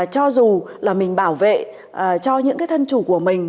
cho dù là mình bảo vệ cho những cái thân chủ của mình